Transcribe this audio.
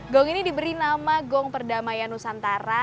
gong ini diberi nama gong perdamaian nusantara